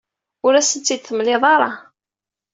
Ur asent-t-id-temliḍ ara.